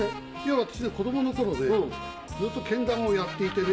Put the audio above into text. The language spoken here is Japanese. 私子供の頃ねずっとけん玉をやっていてね。